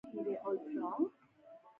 بيا يې هم وويل اوس به تلي وي ماما.